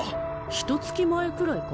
ひと月前くらいか。